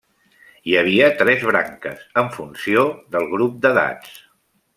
Hi havia tres branques, en funció del grup d'edats.